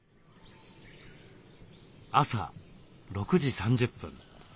朝６時３０分。